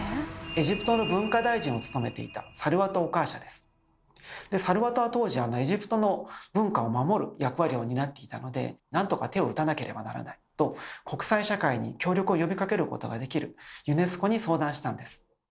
そんなときサルワトは当時エジプトの文化を守る役割を担っていたのでなんとか手を打たなければならないと国際社会に協力を呼びかけることができるユネスコに相談したんです。